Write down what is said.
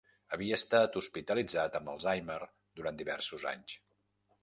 Havia estat hospitalitzat amb Alzheimer durant diversos anys.